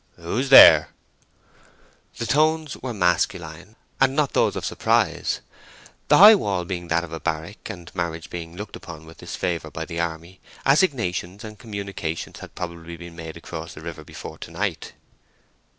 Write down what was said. "Who's there?" The tones were masculine, and not those of surprise. The high wall being that of a barrack, and marriage being looked upon with disfavour in the army, assignations and communications had probably been made across the river before to night.